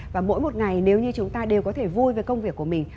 và mỗi một ngày nếu như chúng ta đều có thể vui với công việc của mình